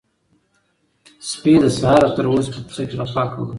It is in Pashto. سپي له سهاره تر اوسه په کوڅه کې غپا کوله.